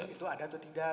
itu ada atau tidak